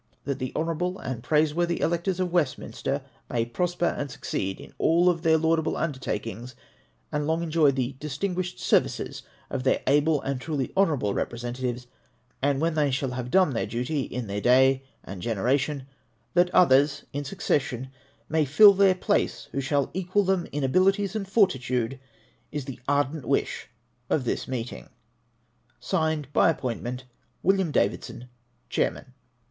That the honourable and praiseworthy electors of Westminster may prosper and succeed in all their laudable undertakings, and long enjoy the distinguished ser vices of their able and truly honourable representatives ; and when they shall have done their duty in their day and genera tion, that others in succession may fill their place who shall equal them in abilities and fortitude, is the ardent wish of this meeting. Signed by appointment, William Davidson, Cluiwman.